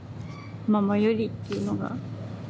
ママより」っていうのが。